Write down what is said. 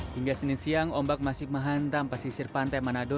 hingga senin siang ombak masih menghantam pesisir pantai manado